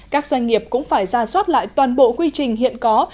các doanh nghiệp cũng phải ra soát lại toàn bộ quy trình hiện có